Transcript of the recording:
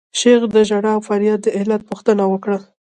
شیخ د ژړا او فریاد د علت پوښتنه وکړه.